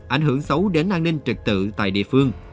ảnh hưởng xấu đến an ninh trực tự tại địa phương